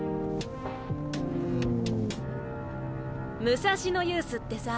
武蔵野ユースってさ